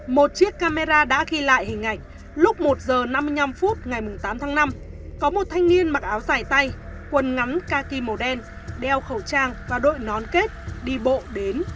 một chiếc camera đã ghi lại hình ảnh lúc một h năm mươi năm phút ngày tám tháng năm có một thanh niên mặc áo dài tay quần ngắn kaki màu đen đeo khẩu trang và đội nón kết đi bộ đến